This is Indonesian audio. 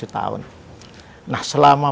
tujuh tahun nah selama